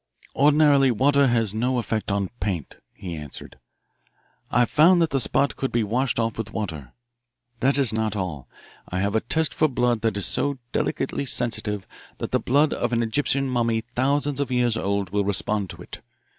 "Ordinarily, water has no effect on paint," he answered. "I found that the spot could be washed off with water. That is not all. I have a test for blood that is so delicately sensitive that the blood of an Egyptian mummy thousands of years old will respond to it.